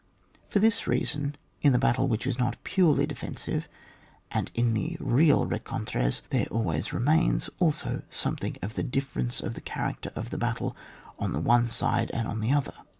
For this reason, in the battle which is not purely defensive and in the realreneantreSf there always remains also something of the difference of the character of the battle on the one side and on the other.